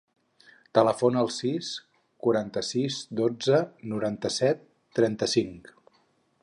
Telefona al sis, quaranta-sis, dotze, noranta-set, trenta-cinc.